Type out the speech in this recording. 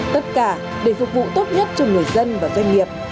tất cả để phục vụ tốt nhất cho người dân và doanh nghiệp